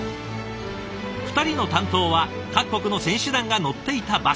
２人の担当は各国の選手団が乗っていたバス。